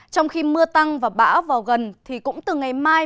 trong khi mưa tăng và bão vào gần thì cũng từ ngày mai